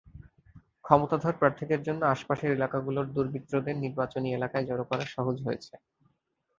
ক্ষমতাধর প্রার্থীদের জন্য আশপাশের এলাকাগুলোর দুর্বৃত্তদের নির্বাচনী এলাকায় জড়ো করা সহজ হয়েছে।